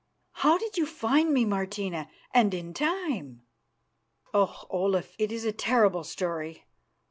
"How did you find me, Martina, and in time?" "Oh! Olaf, it is a terrible story.